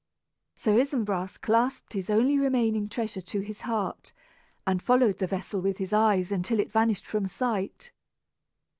Sir Isumbras clasped his only remaining treasure to his heart, and followed the vessel with his eyes until it vanished from sight.